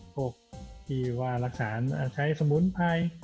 พวกที่ว่ารักฐานใช้สมุนไพร